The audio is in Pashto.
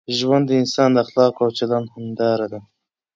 ژوند د انسان د اخلاقو او چلند هنداره ده.